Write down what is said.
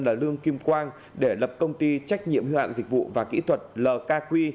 là lương kim quang để lập công ty trách nhiệm hạng dịch vụ và kỹ thuật lkq